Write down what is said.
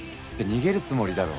逃げるつもりだろ。